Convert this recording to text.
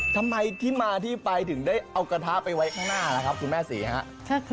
ทำไมที่มาที่ไปถึงได้เอากระทะไปไว้ข้างหน้าล่ะครับคุณแม่ศรีครับ